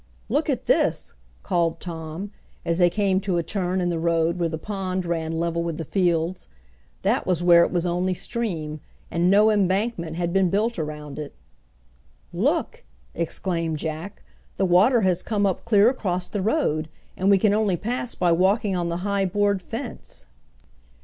"Look at this," called Tom, as they came to a turn in the road where the pond ran level with the fields. That was where it was only stream, and no embankment had been built around it. "Look!" exclaimed Jack; "the water has come up clear across the road, and we can only pass by walking on the high board fence."